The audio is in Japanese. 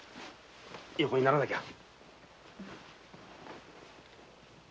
横にならなきゃ。